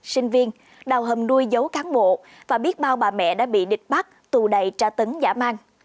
sinh viên đào hầm nuôi dấu kháng bộ và biết bao bà mẹ đã bị địch bắt tù đầy tra tấn giả mang